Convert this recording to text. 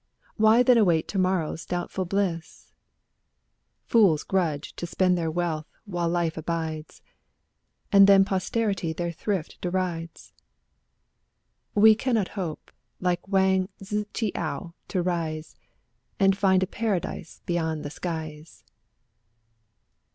Why then await tomorrow's doubtful bliss? Fools grudge to spend their wealth while life abides. And then posterity their thrift derides. We cannot hope, like Wang Tzii ch'^iao ^, to rise And find a paradise beyond the skies.